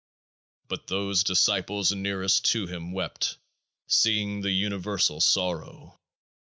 But those disciples nearest to him wept, seeing the Universal Sorrow.